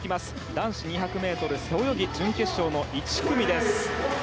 男子２００ｍ背泳ぎ準決勝の１組です。